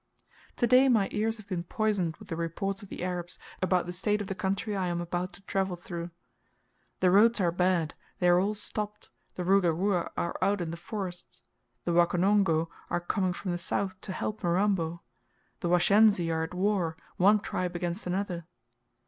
To day my ears have been poisoned with the reports of the Arabs, about the state of the country I am about to travel through. "The roads are bad; they are all stopped; the Ruga Ruga are out in the forests; the Wakonongo are coming from the south to help Mirambo; the Washensi are at war, one tribe against another."